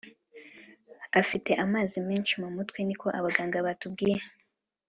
afite amazi menshi mu mutwe ni ko abaganga batubwiye